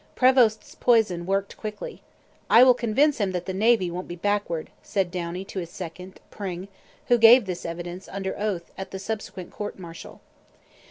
Prevost's poison worked quickly. 'I will convince him that the Navy won't be backward,' said Downie to his second, Pring, who gave this evidence, under oath, at the subsequent court martial.